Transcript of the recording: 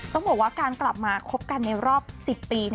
ต้องบอกว่าการกลับมาคบกันในรอบ๑๐ปี